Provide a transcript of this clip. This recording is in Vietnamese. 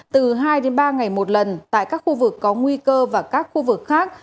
từ hai đến ba ngày một lần tại các khu vực có nguy cơ và các khu vực khác